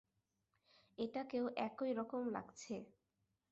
এটাকেও একই রকম লাগছে।